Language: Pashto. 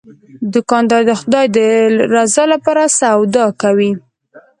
دوکاندار د خدای د رضا لپاره سودا کوي.